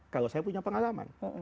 kalau saya punya pengalaman